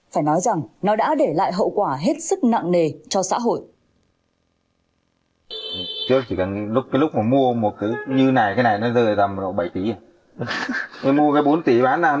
phải nói rằng nó đã để lại hậu quả hết sức nặng nề cho xã hội